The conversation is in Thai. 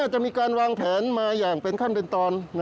น่าจะมีการวางแผลนี้มาอย่างเป็นครั้งเด่นตอน